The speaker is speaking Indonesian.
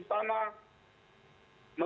mengaduan banyak sekali